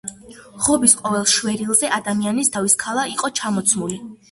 ღობის ყოველ შვერილზე ადამიანის თავის ქალა იყო ჩამოცმული.